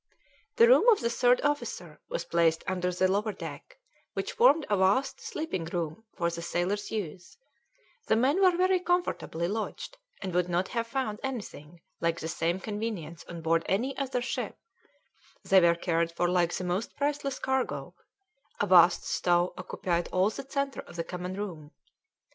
The room of the third officer was placed under the lower deck, which formed a vast sleeping room for the sailors' use; the men were very comfortably lodged, and would not have found anything like the same convenience on board any other ship; they were cared for like the most priceless cargo: a vast stove occupied all the centre of the common room.